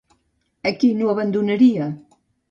A qui no abandonaria?